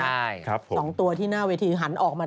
ใช่ครับผมสองตัวที่หน้าเวทีหันออกมา